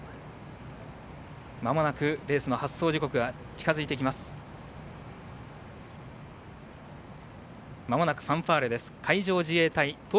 まもなくレースの発走時刻が近づいてきます。